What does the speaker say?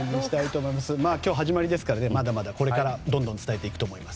今日始まりですからまだまだこれからどんどん伝えていくと思います。